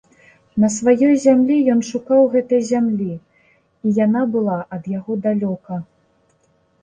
На сваёй зямлі ён шукаў гэтай зямлі, і яна была ад яго далёка.